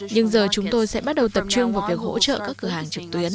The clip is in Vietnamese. nhưng giờ chúng tôi sẽ bắt đầu tập trung vào việc hỗ trợ các cửa hàng trực tuyến